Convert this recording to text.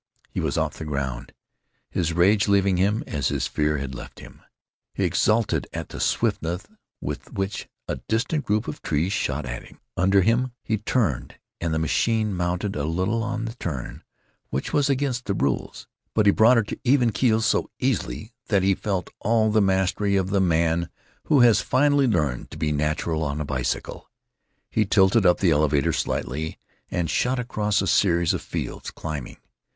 He was off the ground, his rage leaving him as his fear had left him. He exulted at the swiftness with which a distant group of trees shot at him, under him. He turned, and the machine mounted a little on the turn, which was against the rules. But he brought her to even keel so easily that he felt all the mastery of the man who has finally learned to be natural on a bicycle. He tilted up the elevator slightly and shot across a series of fields, climbing.